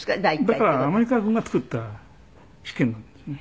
だからアメリカ軍が作った試験なんですよね。